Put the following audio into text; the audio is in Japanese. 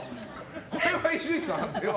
これは伊集院さん、判定は？